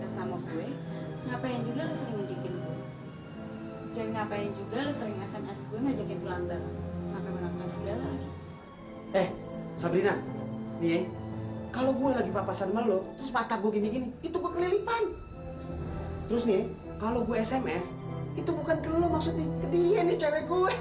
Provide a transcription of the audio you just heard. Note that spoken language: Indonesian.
saksikan series ipa dan ips di gtv